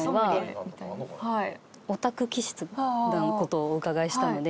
ヲタク気質な事をお伺いしたので。